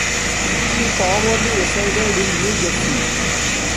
She formerly resided in New Jersey.